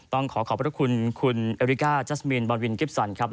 ต้องขอขอบพระคุณคุณเอริกาจัสมินบอลวินกิฟสันครับ